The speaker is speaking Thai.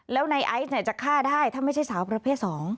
แล้วในไอซ์จะฆ่าได้ถ้าไม่ใช่สาวประเภท๒